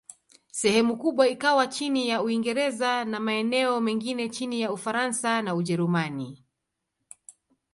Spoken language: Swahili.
Sehemu kubwa likawa chini ya Uingereza, na maeneo mengine chini ya Ufaransa na Ujerumani.